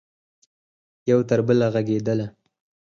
یو تربله ږغیدله